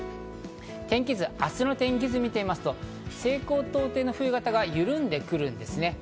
天気図、明日の天気図を見てみると西高東低の冬型が緩んでくるんですね。